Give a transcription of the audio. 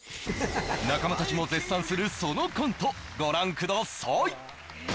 仲間たちも絶賛するそのコントご覧ください